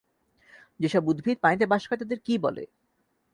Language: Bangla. যেসব উদ্ভিদ পানিতে বাস করে তাদের কী বলে?